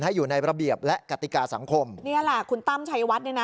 อยู่ในระเบียบและกติกาสังคมนี่แหละคุณตั้มชัยวัดเนี่ยนะ